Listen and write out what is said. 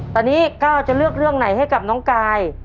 ตอนนี้ก้าวจะเลือกเรื่องไหนให้กับน้องกาย